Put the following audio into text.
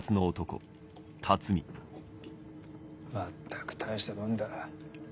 まったく大したもんだ。